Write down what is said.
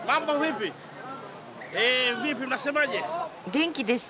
元気です。